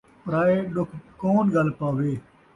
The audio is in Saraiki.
پرائے ݙکھ کون ڳل پاوے